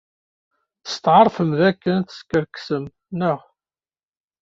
Testeɛṛfem dakken teskerksem, naɣ?